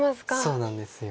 そうなんです。